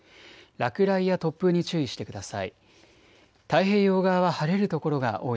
落雷や突風に注意してください。